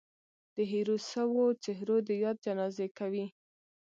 د هېرو سوو څهرو د ياد جنازې کوي